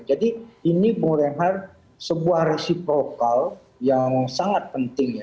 jadi ini mengurangkan sebuah resiprokal yang sangat penting